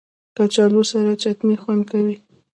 کچالو سره چټني خوند کوي